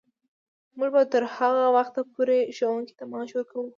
موږ به تر هغه وخته پورې ښوونکو ته معاش ورکوو.